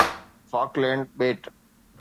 Falkland ٻيٽ